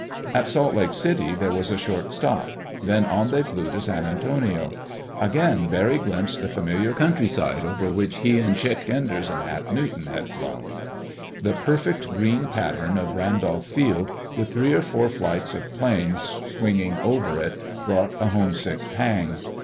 At Salt Lake City there was a short stop; then on they flew to San Antonio. Again Barry glimpsed the familiar countryside over which he and Chick Enders and Hap Newton had flown. The perfect green pattern of Randolph Field, with three or four flights of planes swinging over it, brought a homesick pang.